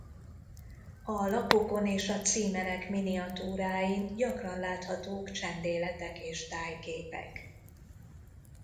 A lapokon és a címerek miniatúráin gyakran láthatók csendéletek és tájképek.